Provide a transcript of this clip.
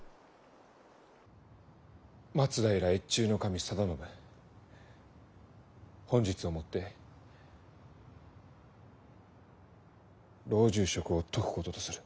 松平越中守定信本日をもって老中職を解くこととする。